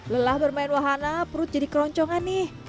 lelah bermain wahana perut jadi keroncongan nih